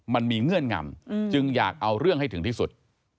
เงื่อนงำจึงอยากเอาเรื่องให้ถึงที่สุด